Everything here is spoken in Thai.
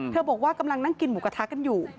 บอกว่ากำลังนั่งกินหมูกระทะกันอยู่